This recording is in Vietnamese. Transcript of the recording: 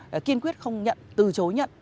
nếu kiên quyết không nhận từ chối nhận